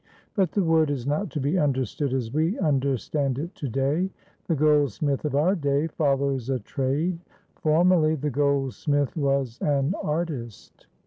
But the word is not to be understood as we under stand it to day. The goldsmith of our day follows a trade; formerly, the goldsmith was an artist.